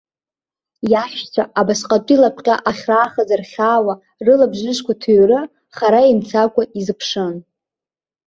Иаҳәшьцәа, абасҟатәи лапҟьа ахьраахаз рхьаауа, рылабжышқәа ҭыҩры, хара имцакәа изыԥшын.